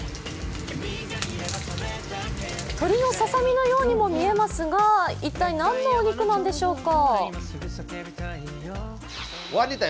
鶏のささ身のようにも見えますが一体何のお肉なんでしょうか。